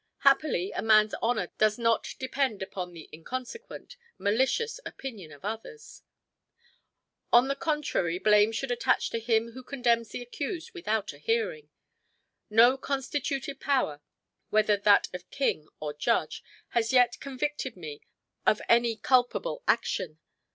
Happily a man's honor does not depend upon the inconsequent, malicious opinion of others. On the contrary blame should attach to him who condemns the accused without a hearing. No constituted power, whether that of king or judge, has yet convicted me of any culpable action.